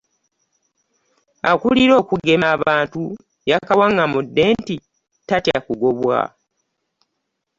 Akulira okugema abantu yakawaŋŋamudde nti tatya kugobwa.